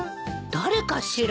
誰かしら？